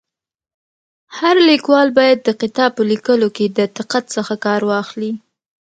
هر لیکوال باید د کتاب په ليکلو کي د دقت څخه کار واخلي.